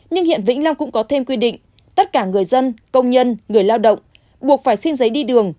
nhưng hiện vĩnh long cũng có thêm quy định tất cả người dân công nhân người lao động buộc phải xin giấy đường